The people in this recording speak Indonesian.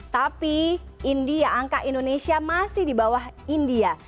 tapi india angka indonesia masih di bawah india